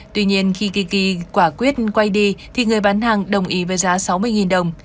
tuy nhiên khi tiki quả quyết quay đi thì người bán hàng đồng ý với giá sáu mươi đồng